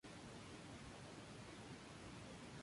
Asimismo se ratificó la decisión de disolver la "Alianza".